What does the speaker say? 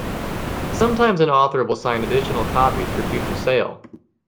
Sometimes an author will sign additional copies for future sale.